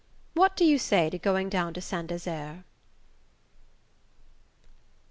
What do you say to going down to Saint Desert?"